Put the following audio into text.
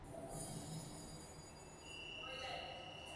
Fue llevado hasta el hospital de Verona en helicóptero donde falleció.